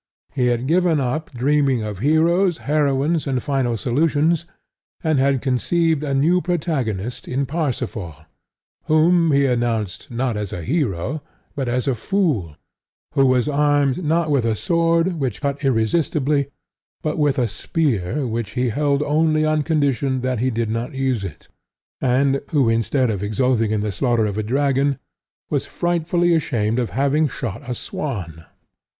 He had given up dreaming of heroes, heroines, and final solutions, and had conceived a new protagonist in Parsifal, whom he announced, not as a hero, but as a fool; who was armed, not with a sword which cut irresistibly, but with a spear which he held only on condition that he did not use it; and who instead of exulting in the slaughter of a dragon was frightfully ashamed of having shot a swan.